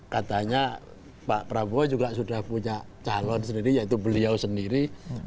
katanya pak prabowo juga sudah punya calon sendiri yaitu beliau sendiri